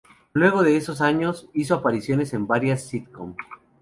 Luego de esos años, hizo apariciones en varias sitcom.